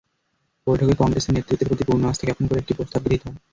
বৈঠকে কংগ্রেসের নেতৃত্বের প্রতি পূর্ণ আস্থা জ্ঞাপন করে একটি প্রস্তাব গৃহীত হয়।